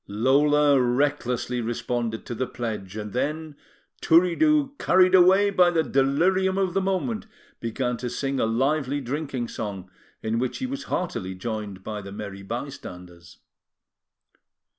Lola recklessly responded to the pledge; and then, Turiddu carried away by the delirium of the moment, began to sing a lively drinking song, in which he was heartily joined by the merry bystanders.